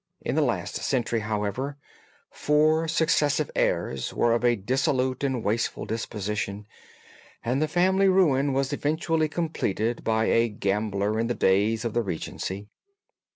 In the last century, however, four successive heirs were of a dissolute and wasteful disposition, and the family ruin was eventually completed by a gambler in the days of the Regency.